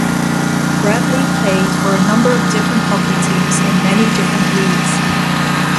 Bradley played for a number of different hockey teams in many different leagues.